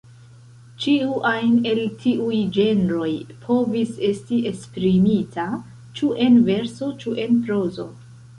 Ĉiu ajn el tiuj ĝenroj povis estis esprimita ĉu en verso ĉu en prozo.